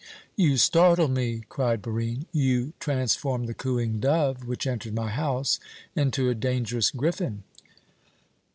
"You startle me!" cried Barine. "You transform the cooing dove which entered my house into a dangerous griffin."